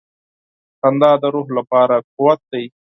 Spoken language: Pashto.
• خندا د روح لپاره قوت دی.